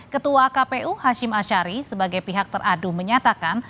ketua kpu hashim ashari sebagai pihak teradu menyatakan